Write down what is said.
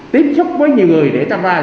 tiếp xúc với nhiều người để tâm vai